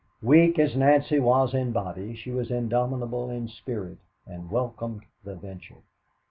Weak as Nancy was in body, she was indomitable in spirit and welcomed the venture.